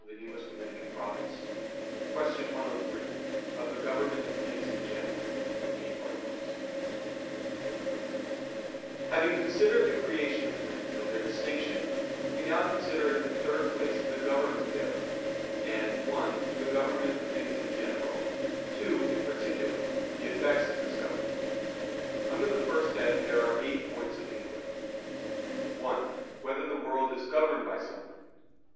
103 119) _______________________ QUESTION 103 OF THE GOVERNMENT OF THINGS IN GENERAL (In Eight Articles) Having considered the creation of things and their distinction, we now consider in the third place the government thereof, and (1) the government of things in general; (2) in particular, the effects of this government. Under the first head there are eight points of inquiry: (1) Whether the world is governed by someone?